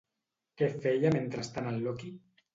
Què feia mentrestant en Loki?